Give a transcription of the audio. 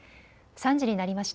３時になりました。